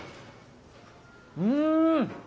うん！